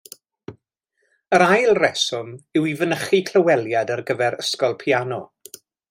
Yr ail reswm yw i fynychu clyweliad ar gyfer ysgol piano.